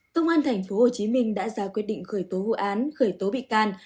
công an tp hcm đã ra quyết định khởi tố vụ án khởi tố bị can